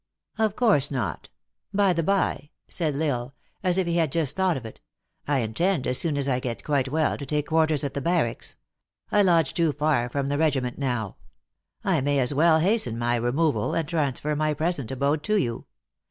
" Of course not. By the by," said L Isle, as if he 70 THE ACTKESS IK HIGH LIFE. had just thought of it, " I intend, as soon as I get quite well, to take quarters at the barracks ; I lodge too far from the regiment now. I may as well hasten my removal, and transfer my present abode to you.